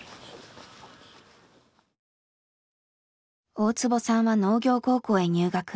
大坪さんは農業高校へ入学。